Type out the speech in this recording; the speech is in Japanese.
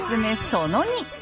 その２！